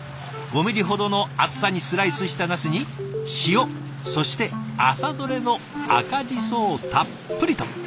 ５ミリほどの厚さにスライスしたナスに塩そして朝どれの赤ジソをたっぷりと。